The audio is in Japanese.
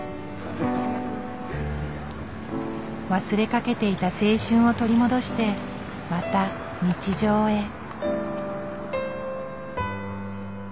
忘れかけていた青春を取り戻してまた日常へ。